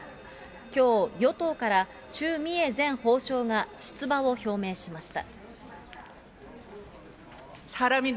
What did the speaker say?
きょう、与党から、チュ・ミエ前法相が出馬を表明しました。